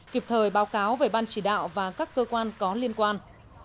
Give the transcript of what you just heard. kịp thời báo cáo về ban chỉ đạo và các cơ quan có liên quan